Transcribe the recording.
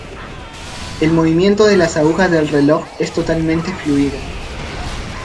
El movimiento de las agujas del reloj es totalmente fluido.